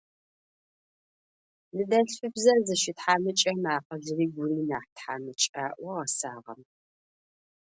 Ныдэлъфыбзэр зыщытхьамыкӏэм акъылри гури нахь тхьамыкӏ,- аӏо гъэсагъэмэ.